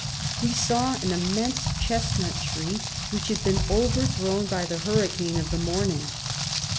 We saw an im > mense chesnut tree, which had been overthrown by the hurricane of the morning.